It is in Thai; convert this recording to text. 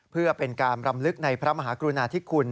เพื่อเป็นการรำลึกในพระมหากรุณาธิคุณ